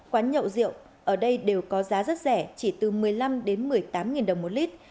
quán nhậu rượu ở đây đều có giá rất rẻ chỉ từ một mươi năm đến một mươi tám đồng một lít